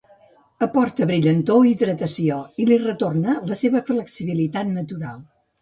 Aporta brillantor o hidratació, i li retorna la seva flexibilitat natural.